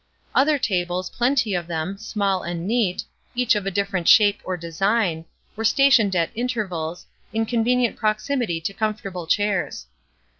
Other tables, plenty of them, small and neat, each of a different shape or design, were stationed at intervals, in convenient proximity to comfortable chairs.